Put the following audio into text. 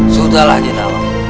sudahlah nyi nawa